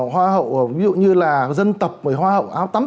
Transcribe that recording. hoa hậu ví dụ như là dân tộc hoa hậu áo tắm